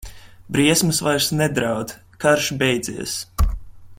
Briesmas vairs nedraud, karš beidzies.